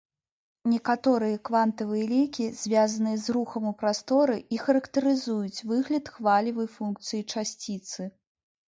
Некаторыя квантавыя лікі звязаныя з рухам у прасторы і характарызуюць выгляд хвалевай функцыі часціцы.